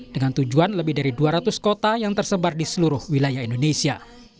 dengan tujuan lebih dari dua ratus kota yang tersebar di seluruh wilayah indonesia